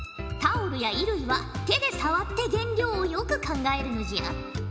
タオルや衣類は手で触って原料をよく考えるのじゃ。